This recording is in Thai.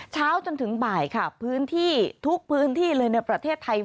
เช้าจนถึงบ่ายค่ะพื้นที่ทุกพื้นที่เลยในประเทศไทย